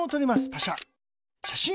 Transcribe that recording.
パシャ。